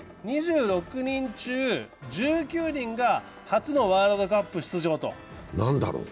２６人中１９人が初のワールドカップ出場。